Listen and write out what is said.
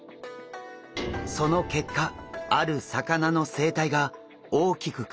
その結果ある魚の生態が大きく変わってしまいました。